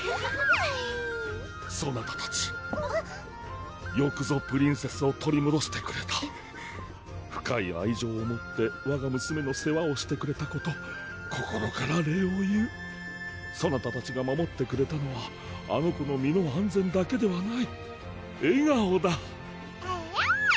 そなたたちよくぞプリンセスを取りもどしてくれた深い愛情を持ってわが娘の世話をしてくれたこと心から礼を言うそなたたちが守ってくれたのはあの子の身の安全だけでなはい笑顔だ！えるぅ！